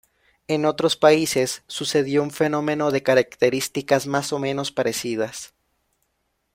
En otros países sucedió un fenómeno de características más o menos parecidas.